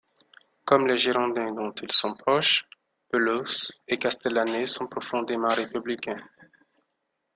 Comme les Girondins dont ils sont proches, Peloux et Castelanet sont profondément républicains.